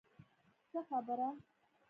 څه خبره.